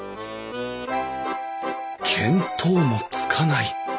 見当もつかない。